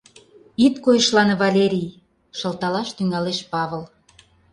— Ит койышлане, Валерий! — шылталаш тӱҥалеш Павыл.